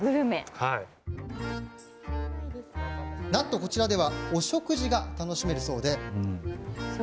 なんと、こちらではお食事が楽しめるそうで。